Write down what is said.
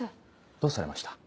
どうされました？